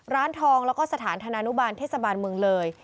ร้านทองแล้วก็สถานธนานุบาลเทศบาลเมืองเลย